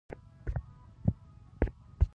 قلم د شجاعت داستانونه څرګندوي